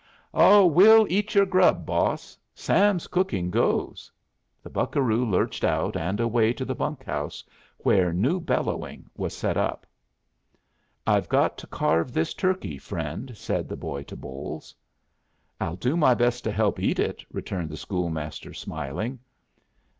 "Ho, we'll eat your grub, boss. Sam's cooking goes." The buccaroo lurched out and away to the bunk house, where new bellowing was set up. "I've got to carve this turkey, friend," said the boy to Bolles. "I'll do my best to help eat it," returned the school master, smiling.